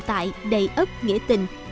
tại đầy ấp nghĩa tình